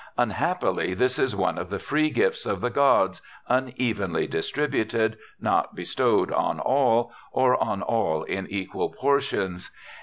Unhappily, this is one of the free gifts of the gods, unevenly distributed, not bestowed on all, or on all in equal portions.